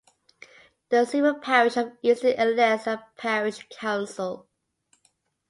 The civil parish of Easton elects a parish council.